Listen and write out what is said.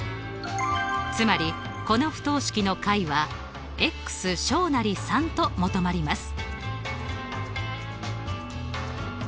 つまりこの不等式の解は３と求まります。